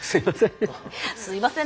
すいません。